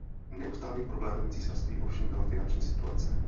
Neustálým problémem císařství ovšem byla finanční situace.